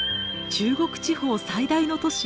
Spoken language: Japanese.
中国地方最大の都市